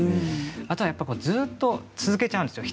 あとはずっと続けちゃうんですよ